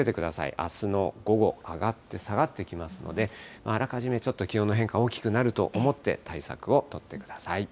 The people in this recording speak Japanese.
あすの午後、上がって下がってきますので、あらかじめ、ちょっと気温の変化大きくなると思って、対策を取ってください。